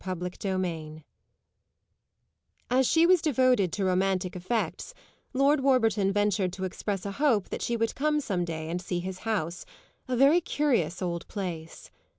CHAPTER VIII As she was devoted to romantic effects Lord Warburton ventured to express a hope that she would come some day and see his house, a very curious old place.